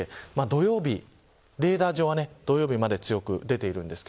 土曜日、レーダー上は強く出ています。